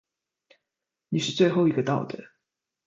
你是最后一个到的。